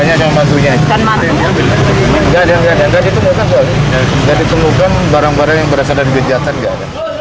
yang biasanya dilakukan oleh pemerintah